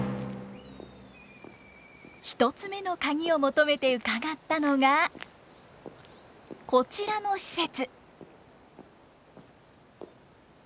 １つ目のカギを求めて伺ったのがこちらの施設。